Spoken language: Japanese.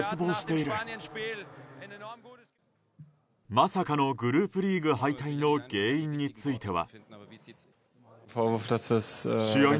まさかのグループリーグ敗退の原因については。